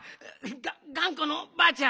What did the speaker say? ががんこのばあちゃん。